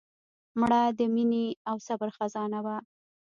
مړه د مینې او صبر خزانه وه